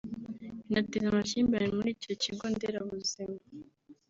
binateza amakimbirane muri icyo kigo nderabuzima